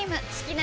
な